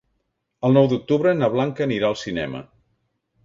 El nou d'octubre na Blanca anirà al cinema.